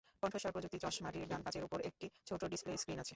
কণ্ঠস্বর প্রযুক্তি চশমাটির ডান কাচের ওপর একটি ছোট ডিসপ্লে স্ক্রিন আছে।